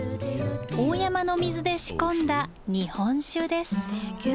大山の水で仕込んだ日本酒です。